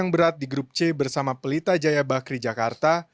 yang berat di grup c bersama pelita jaya bakri jakarta